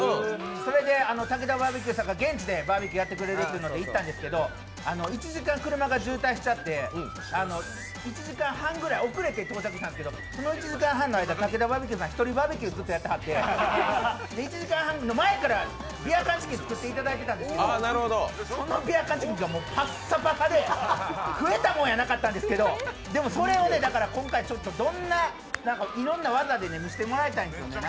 それでたけだバーベキューさんが現地でバーベキューやってくれるというので行ったんですけど、１時間車が渋滞しちゃって、１時間半ぐらい遅れて到着したんですけどその１時間半の間、たけだバーベキューさん、一人バーベキューやってはって１時間半の前から、ビア缶チキン作っていただいてたんですけどビア缶チキンがパッサパサで食えたもんやなかったんですけど、それを今回いろんな技で見せてもらいたいんですよね。